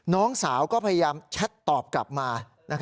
น้องสาวก็พยายามแชทตอบกลับมา